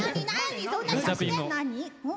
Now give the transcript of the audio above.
何？